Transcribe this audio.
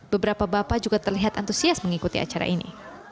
beberapa bapak juga terlihat antusias mengikuti acara ini